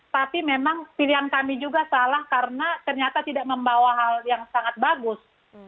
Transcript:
tapi memang pilihan kami juga salah karena ternyata tidak membawa hal yang sangat bagus